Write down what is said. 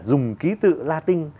dùng ký tự latin